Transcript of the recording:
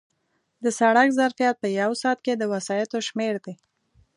د سړک ظرفیت په یو ساعت کې د وسایطو شمېر دی